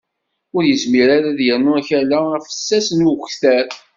Ur yezmir ara ad yernu akala afessas n ukter.